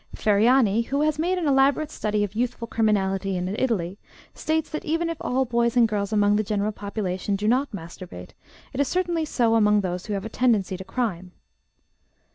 Ferriani, who has made an elaborate study of youthful criminality in Italy, states that even if all boys and girls among the general population do not masturbate, it is certainly so among those who have a tendency to crime.